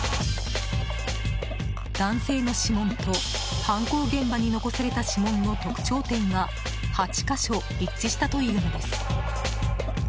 男性の指紋と犯行現場に残された指紋の特徴点が８か所一致したというのです。